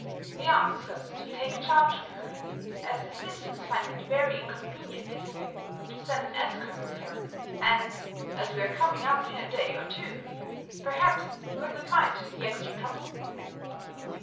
He asks us to take charge of her, as the Sisters find it very inconvenient this year to send an escort with her; and, as we are coming up in a day or two, perhaps we would not mind the extra trouble."